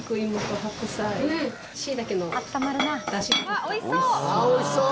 わっ美味しそう！